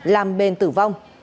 làm bền tử vong